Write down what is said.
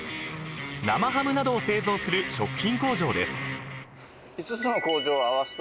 ［生ハムなどを製造する食品工場です］